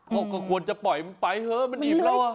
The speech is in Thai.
ก็ก็ควรจะปล่อยมันไปเธอมันอีบแล้วอ่ะ